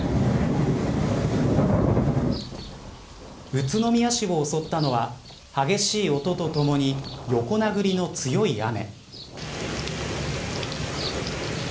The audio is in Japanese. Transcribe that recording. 宇都宮市を襲ったのは激しい音とともに横殴りの強い雨。